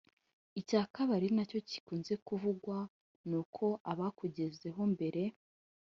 Icya kabiri ari nacyo gikunze kuvugwa ni uko abakugezeho mbere